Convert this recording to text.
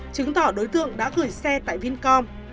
chứng tỏ đối tượng đã gửi xe tại vincom